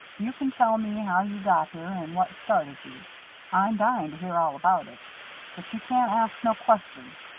You can tell me how you got here and what started ye I'm dyin' to hear all about it. But you can't ask no questions.